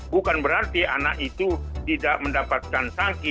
bukan berarti anak itu tidak mendapatkan sanksi